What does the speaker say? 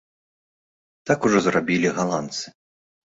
Так ужо зрабілі галандцы.